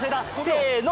せの。